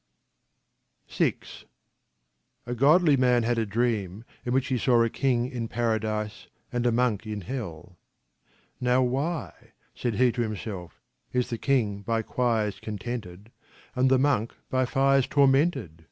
VI A godly man had a dream in which he saw a king in paradise and a monk in hell. " Now why," said he to himself, " is the king by choirs contented and the monk by fires tormented